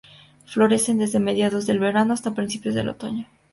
Florecen desde mediados del verano hasta principios de otoño.